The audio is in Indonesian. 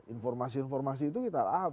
informasi informasi itu kita up